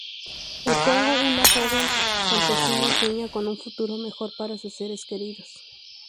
En Congo, un joven campesino sueña con un futuro mejor para sus seres queridos.